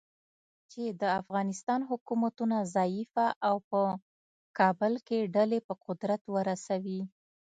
چې د افغانستان حکومتونه ضعیفه او په کابل کې ډلې په قدرت ورسوي.